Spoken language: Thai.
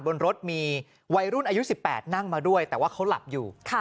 บนรถมีวัยรุ่นอายุ๑๘นั่งมาด้วยแต่ว่าเขาหลับอยู่